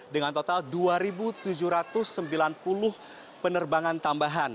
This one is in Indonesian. dengan total dua tujuh ratus sembilan puluh penerbangan tambahan